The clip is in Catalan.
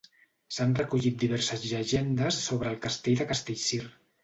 S'han recollit diverses llegendes sobre el Castell de Castellcir.